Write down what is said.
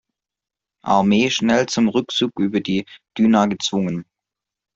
Armee schnell zum Rückzug über die Düna gezwungen.